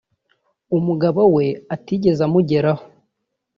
umugabo we atigeze amugeraho